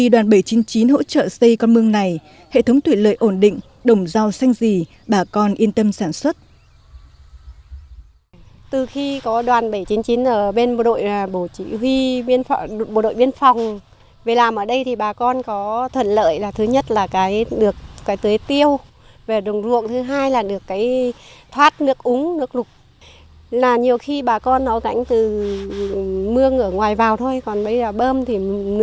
là nhiều khi bà con nó rãnh từ mương ở ngoài vào thôi còn bây giờ bơm thì nước nó về đến đây rồi chỉ có tháo vào không là được rồi